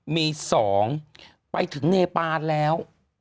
มี๒ไปถึงเนปานแล้ว